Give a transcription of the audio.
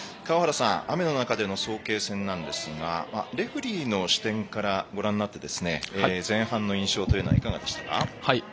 雨の中での早慶戦なんですがレフリーの視点からご覧になって前半の印象というのはいかがでしたか？